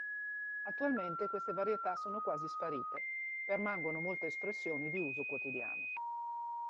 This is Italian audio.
Attualmente queste varietà sono quasi sparite, permangono molte espressioni di uso quotidiano.